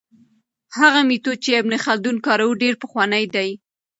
هغه میتود چې ابن خلدون کاروه ډېر پخوانی دی.